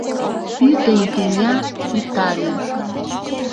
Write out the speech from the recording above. Пӱтынь тӱня — Италий!